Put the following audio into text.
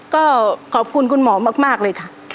ก็ขอบคุณคุณหมอมากเลยค่ะ